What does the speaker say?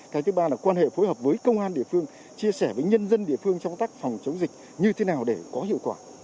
cái thứ ba là quan hệ phối hợp với công an địa phương chia sẻ với nhân dân địa phương trong tác phòng chống dịch như thế nào để có hiệu quả